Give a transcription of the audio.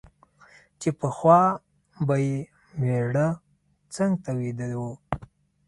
چي پخوا به یې مېړه څنګ ته ویده وو